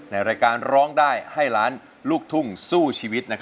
ในรายการร้องได้ให้ล้านลูกทุ่งสู้ชีวิต